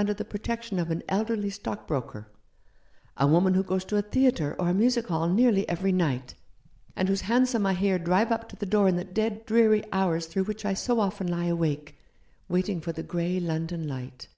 under the protection of an elderly stock broker ; a woman who goes to a theatre or a music hall nearly every night, and whose hansom I hear drive up to the door in the dead, dreary hours through which I so often lie awake, waiting for the grey London light.